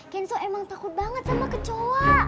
kenso emang takut banget sama kecoa